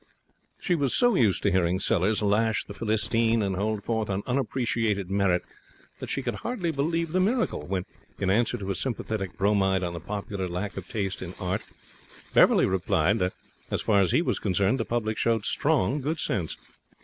She was so used to hearing Sellers lash the Philistine and hold forth on unappreciated merit that she could hardly believe the miracle when, in answer to a sympathetic bromide on the popular lack of taste in Art, Beverley replied that, as far as he was concerned, the public showed strong good sense.